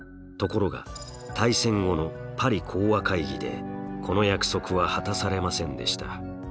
ところが大戦後のパリ講和会議でこの約束は果たされませんでした。